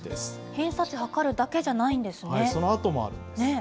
偏差値測るだけじゃないんですね。